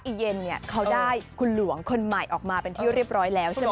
เย็นเนี่ยเขาได้คุณหลวงคนใหม่ออกมาเป็นที่เรียบร้อยแล้วใช่ไหม